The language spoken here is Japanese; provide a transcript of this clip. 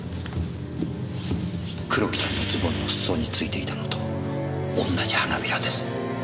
黒木さんのズボンの裾についていたのと同じ花びらです。